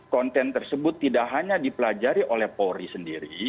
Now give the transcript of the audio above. konten tersebut tidak hanya dipelajari oleh polri sendiri